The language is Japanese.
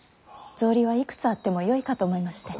草履はいくつあってもよいかと思いまして。